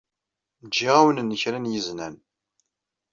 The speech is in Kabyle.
Ǧǧiɣ-awen-n kra n yiznan.